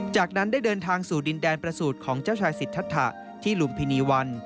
จากนั้นได้เดินทางสู่ดินแดนประสูจน์ของเจ้าชายสิทธะที่ลุมพินีวัน